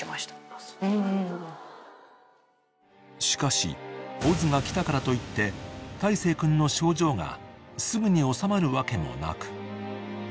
［しかしオズが来たからといって大生君の症状がすぐに治まるわけもなく］